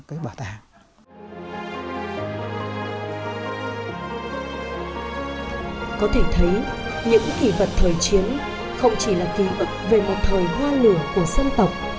có thể thấy những kỷ vật thời chiến không chỉ là ký ức về một thời hoa lửa của dân tộc